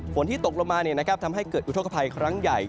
ที่ตกลงมาทำให้เกิดอุทธกภัยครั้งใหญ่